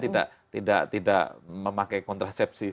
dia tidak memakai kontrasepsi